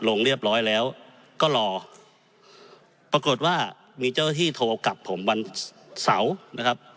ลงเรียบร้อยแล้วก็รอปรากฏว่ามีเจ้าหน้าที่โทรกลับผมวันเสาร์นะครับ